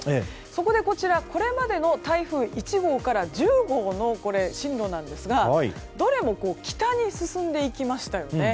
そこで、これまでの台風１号から１０号の進路なんですが、どれも北に進んでいきましたよね。